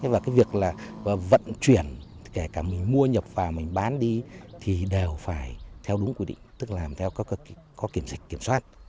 và cái việc là vận chuyển kể cả mình mua nhập vào mình bán đi thì đều phải theo đúng quy định tức là theo có kiểm dịch kiểm soát